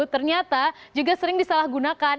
ternyata juga sering disalahgunakan